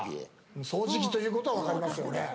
掃除機ということは分かりますよね。